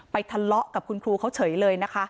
ทะเลาะกับคุณครูเขาเฉยเลยนะคะ